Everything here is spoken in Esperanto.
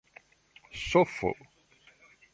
sofo